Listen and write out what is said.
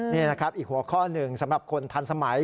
นี่นะครับอีกหัวข้อหนึ่งสำหรับคนทันสมัย